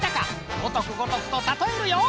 ごとくごとくとたとえるよ！